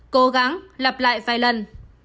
cố gắng lặp lại vài lần